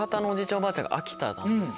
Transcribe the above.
おばあちゃんが秋田なんですよ。